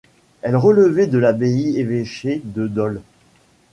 Elle relevait de l'abbaye-évêché de Dol.